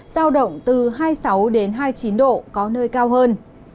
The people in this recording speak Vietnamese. giao động từ hai mươi sáu đến hai mươi chín độ có nơi cao hơn